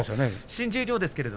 新十両です。